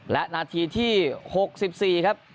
และนาทีที่๖๔ครับ